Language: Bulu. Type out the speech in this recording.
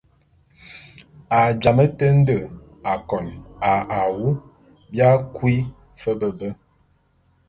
A jamé te nde akon a awu bia kui fe be be.